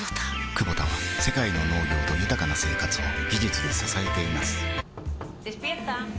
クボタは世界の農業と豊かな生活を技術で支えています起きて。